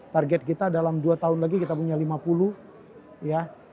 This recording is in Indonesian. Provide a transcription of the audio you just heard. target kita dalam dua tahun lagi kita punya lima puluh ya